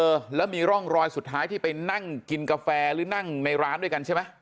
เออแล้วมีร่องรอยสุดท้ายที่ไปนั่งกินกาแฟหรือนั่งในร้านด้วยกันใช่ไหม